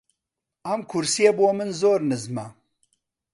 ئەم کورسییە بۆ من زۆر نزمە.